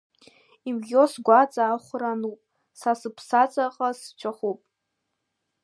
Имӷьо сгәаҵа ахәра ануп, са сыԥсаҵаҟа сҵәахуп.